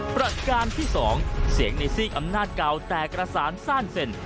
ประการที่๒เสียงในซีกอำนาจเก่าแตกกระสานซ่านเซ็น